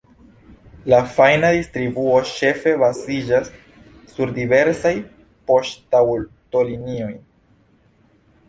La fajna distribuo ĉefe baziĝas sur diversaj poŝtaŭtolinioj.